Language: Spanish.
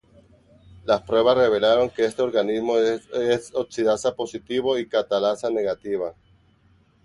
Las pruebas revelaron que este organismo es oxidasa positivo y catalasa negativa.